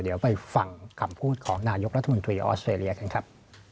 เดี๋ยวไปฟังคำพูดของนายกรัฐมนตรีออสเตรเลียกันครับ